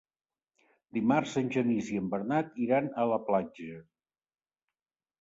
Dimarts en Genís i en Bernat iran a la platja.